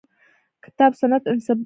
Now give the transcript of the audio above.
کتاب سنت استنباط شوې.